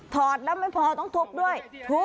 อดแล้วไม่พอต้องทุบด้วยทุบ